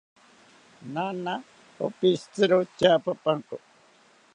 Naana opishitziro tyaapapanko